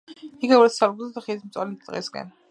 ის აგებულია სალ კლდეზე ხედით მწვანე ტყისკენ.